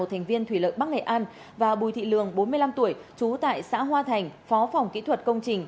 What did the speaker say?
thành viên thủy lợi bắc nghệ an và bùi thị lường bốn mươi năm tuổi trú tại xã hoa thành phó phòng kỹ thuật công trình